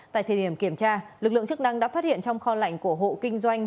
tại thời điểm kiểm tra lực lượng chức năng đã phát hiện trong kho lạnh của hộ kinh doanh